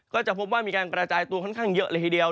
ก็จะพบว่ามีการกระจายตัวค่อนข้างเยอะเลยทีเดียว